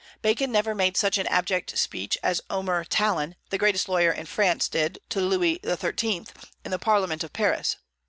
Bacon never made such an abject speech as Omer Talon, the greatest lawyer in France, did to Louis XIII, in the Parliament of Paris.